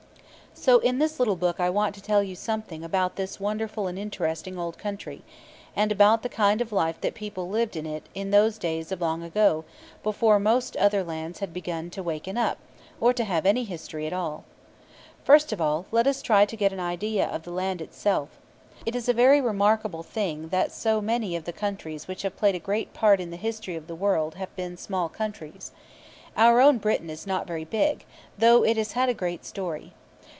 So in this little book I want to tell you something about this wonderful and interesting old country, and about the kind of life that people lived in it in those days of long ago, before most other lands had begun to waken up, or to have any history at all. First of all, let us try to get an idea of the land itself. It is a very remarkable thing that so many of the countries which have played a great part in the history of the world have been small countries. Our own Britain is not very big, though it has had a great story.